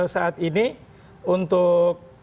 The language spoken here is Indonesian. saat ini untuk